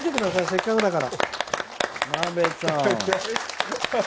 せっかくだから。